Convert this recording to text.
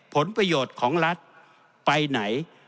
ผลประโยชน์ของรัฐไปไหน